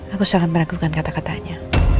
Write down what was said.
aku sangat meragukan kata katanya